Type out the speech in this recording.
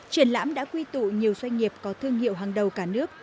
triển lãm đã quy tụ nhiều doanh nghiệp có thương hiệu hàng đầu cả nước